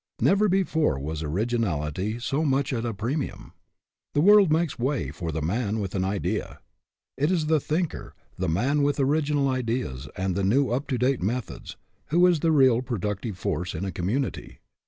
Never before was originality so much at a premium. The world makes way for the man with an idea. It is the thinker, the man with original ideas and new and up to date methods, who is the real productive force in a community.